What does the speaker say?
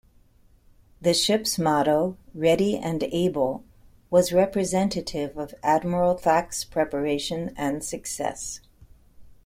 The ship's motto, "Ready and Able," was representative of Admiral Thach's preparation and success.